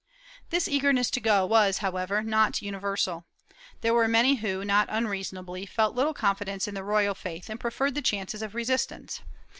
^ This eagerness to go was, however, not universal. There were many who, not unreasonably, felt little confidence in the royal faith and preferred the chances of resistance.